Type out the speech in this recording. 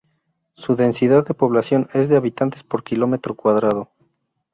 Su densidad de población es de habitantes por kilómetro cuadrado.